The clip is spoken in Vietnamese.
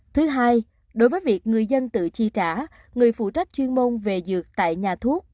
thứ hai đối với việc người dân tự chi trả người phụ trách chuyên môn về dược tại nhà thuốc